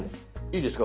いいですか？